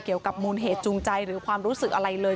เกี่ยวกับมูลเหตุจูงใจหรือความรู้สึกอะไรเลย